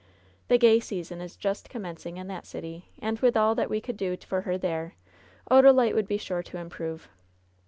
The gay season is just commencing in that city, and with all that we could do for her there Odalite would be sure to improve.